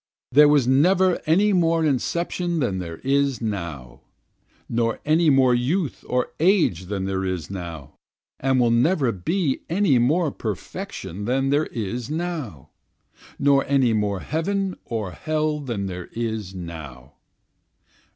There was never any more inception than there is now, Nor any more youth or age than there is now, And will never be any more perfection than there is now, Nor any more heaven or hell than there is now.